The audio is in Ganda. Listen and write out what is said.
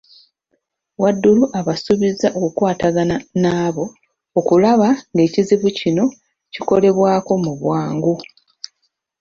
Wadulu abasuubizza okukwatagana n'ab okulaba ng'ekizibu kino kikolebwako mu bwangu.